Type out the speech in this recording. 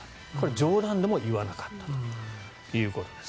冗談でも言わなかったということです。